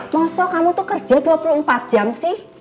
maksudnya kamu tuh kerja dua puluh empat jam sih